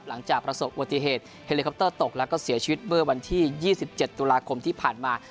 หลังจากประสบอุบัติเหตุเฮลิคอปเตอร์ตกแล้วก็เสียชีวิตเมื่อวันที่๒๗ตุลาคมที่ผ่านมา